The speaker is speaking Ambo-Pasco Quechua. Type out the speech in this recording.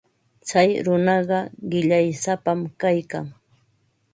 Tsay runaqa qillaysapam kaykan.